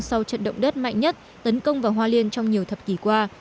sau trận động đất mạnh nhất tấn công vào hoa liên trong nhiều thập kỷ qua